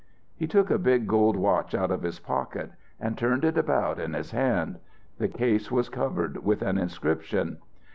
He took a big gold watch out of his pocket and turned it about in his hand. The case was covered with an inscription.